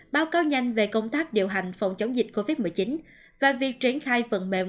báo cáo nhanh về công tác điều hành phòng chống dịch covid một mươi chín và việc triển khai phần mềm